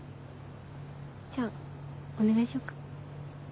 じゃあお願いしようか。